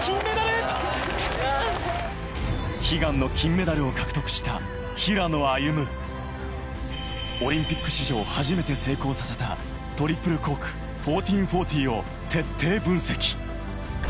悲願の金メダルを獲得した平オリンピック史上初めて成功させたトリプルコーク１４４０を徹底分析。